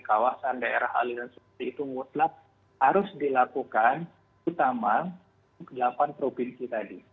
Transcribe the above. kawasan daerah aliran sungai itu mutlak harus dilakukan utama delapan provinsi tadi